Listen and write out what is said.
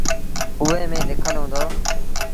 اُئي ميݩ لکل هُݩدو۔